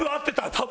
多分。